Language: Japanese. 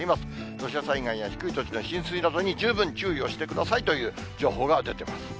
土砂災害や低い土地の浸水などに、十分注意をしてくださいという情報が出ています。